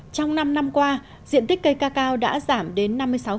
trong năm năm qua diện tích cây ca cao đã giảm đến năm mươi sáu